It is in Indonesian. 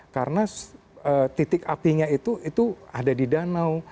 karena titik apinya itu ada di danau